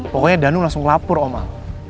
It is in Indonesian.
pokoknya danu langsung lapur om al